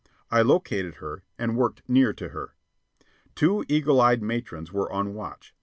I located her and worked near to her. Two eagle eyed matrons were on watch.